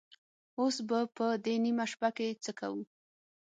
اوس به په دې نيمه شپه کې څه کوو؟